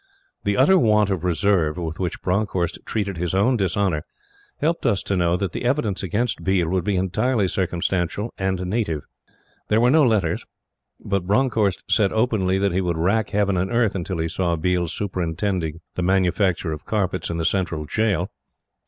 The utter want of reserve with which Bronckhorst treated his own dishonor helped us to know that the evidence against Biel would be entirely circumstantial and native. There were no letters; but Bronckhorst said openly that he would rack Heaven and Earth until he saw Biel superintending the manufacture of carpets in the Central Jail.